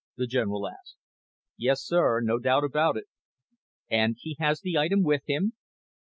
the general asked. "Yes, sir. No doubt about it." "And he has the item with him?"